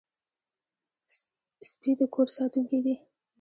سپي د کور ساتونکي دي.